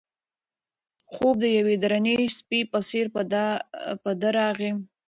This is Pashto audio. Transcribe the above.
خوب د یوې درنې څپې په څېر په ده راغی.